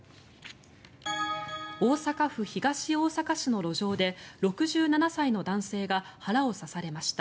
大阪府東大阪市の路上で６７歳の男性が腹を刺されました。